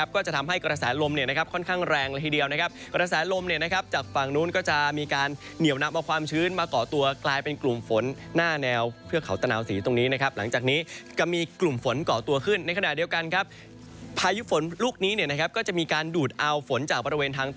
ก็จะทำให้กระแสลมเนี่ยนะครับค่อนข้างแรงละทีเดียวนะครับกระแสลมเนี่ยนะครับจากฝั่งนู้นก็จะมีการเหนียวนำเอาความชื้นมาก่อตัวกลายเป็นกลุ่มฝนหน้าแนวเพื่อเขาตะนาวสีตรงนี้นะครับหลังจากนี้ก็มีกลุ่มฝนเกาะตัวขึ้นในขณะเดียวกันครับพายุฝนลูกนี้เนี่ยนะครับก็จะมีการดูดเอาฝนจากบริเวณทางต